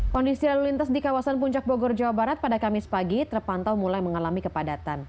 kondisi lalu lintas di kawasan puncak bogor jawa barat pada kamis pagi terpantau mulai mengalami kepadatan